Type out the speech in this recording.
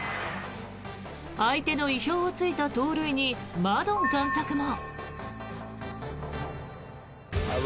相手の意表を突いた盗塁にマドン監督も。